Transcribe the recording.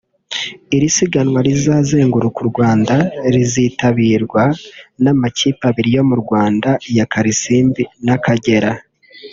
Iri siganwa rizazenguruka u Rwanda rizitabirwa n’amakipe abiri yo mu Rwanda ya Kalisimbi na Akagera